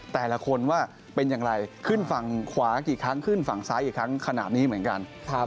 แต่ละคนว่าเป็นอย่างไรขึ้นฝั่งขวากี่ครั้งขึ้นฝั่งซ้ายอีกครั้งขนาดนี้เหมือนกัน